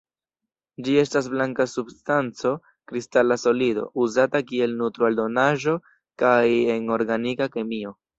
Ĝi estas blanka substanco, kristala solido, uzata kiel nutro-aldonaĵo kaj en organika kemio.